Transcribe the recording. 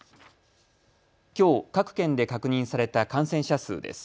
きょう各県で確認された感染者数です。